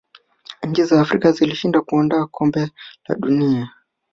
nchi za Afrika zilishindwa kuandaa kombe la dunia